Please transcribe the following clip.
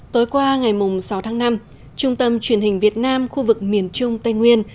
tối qua ngày sáu tháng năm trung tâm truyền hình việt nam khu vực miền trung tây nguyên